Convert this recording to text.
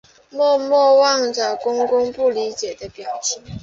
默默望着公公不理解的表情